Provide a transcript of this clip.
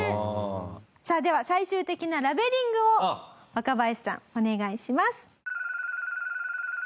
さあでは最終的なラベリングを若林さんお願いします。